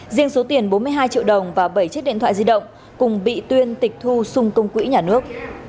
riêng số tiền bốn mươi hai triệu đồng và bảy chiếc điện thoại di động cùng bị tuyên tịch thu xung công quỹ nhà nước